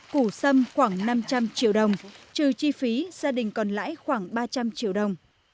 củ xâm khoảng năm trăm linh triệu đồng trừ chi phí gia đình còn lãi khoảng ba trăm linh triệu đồng